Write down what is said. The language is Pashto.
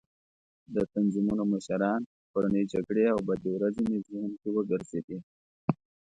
د تنظیمونو مشران، کورنۍ جګړې او بدې ورځې مې ذهن کې وګرځېدې.